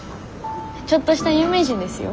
ちょっとした有名人ですよ。